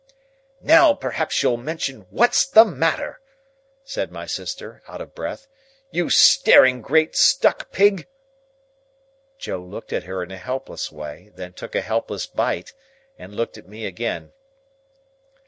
"Now, perhaps you'll mention what's the matter," said my sister, out of breath, "you staring great stuck pig." Joe looked at her in a helpless way, then took a helpless bite, and looked at me again.